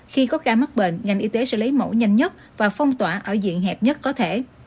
khi có ca mắc bệnh ngành y tế sẽ lấy mẫu nhanh nhất và phong tỏa ở diện hẹp nhất có thể